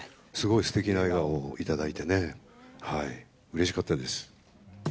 すごいすてきな笑顔をいただいてね、うれしかったです。